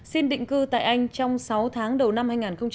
xin định cư tại anh trong sáu tháng đầu năm